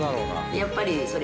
やっぱりそれ。